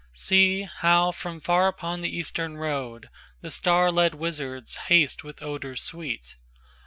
IVSee how from far upon the Eastern roadThe star led Wisards haste with odours sweet!